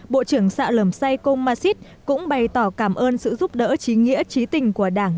bộ trưởng xạ lầm say công ma xít cũng bày tỏ cảm ơn sự giúp đỡ trí nghĩa trí tình của đảng